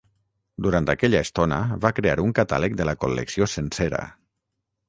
Durant aquella estona va crear un catàleg de la col·lecció sencera.